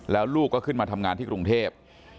แล้วลูกก็ขึ้นมาทำงานที่กรุงเทพ